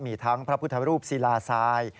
มีทั้งพระพุทธรูปศิลาทราย